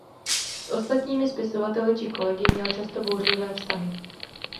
S ostatními spisovateli či kolegy měl často bouřlivé vztahy.